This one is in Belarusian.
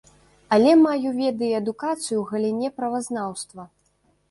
Але маю веды і адукацыю ў галіне правазнаўства.